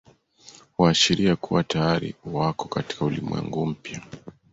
Huashiria kuwa tayari wako katika ulimwengu mpya